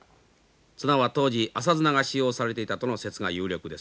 綱は当時麻綱が使用されていたとの説が有力です。